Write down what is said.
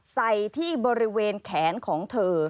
ใส่ที่บริเวณแขนของเธอ